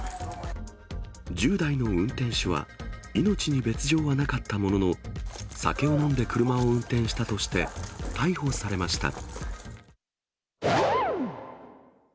１０代の運転手は命に別状はなかったものの、酒を飲んで車を運転したとして、逮捕されました。